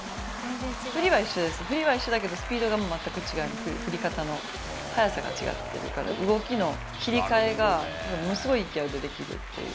振りは一緒です、振りは一緒だけど、スピードが全く違う、振り方の速さが違ってるから、動きの切り替えがものすごい勢いでできるっていう。